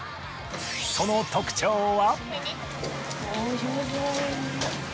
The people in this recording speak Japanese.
その特徴は。